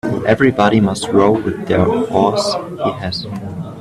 Everybody must row with the oars he has.